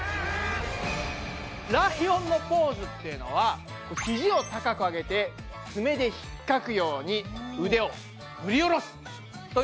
ライオンのポーズっていうのはひじを高く上げてツメでひっかくようにうでをふり下ろすというイメージだそうです。